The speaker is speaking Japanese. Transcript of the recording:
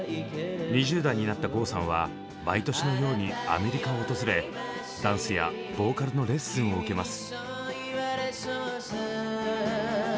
２０代になった郷さんは毎年のようにアメリカを訪れダンスやボーカルのレッスンを受けます。